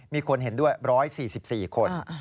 มีคนเห็นด้วย๑๔๔คน